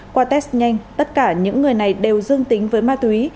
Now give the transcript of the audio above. qua test nhanh tất cả những người này đều dương tính với ma túy